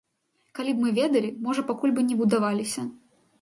Калі б мы ведалі, можа, пакуль бы не будаваліся.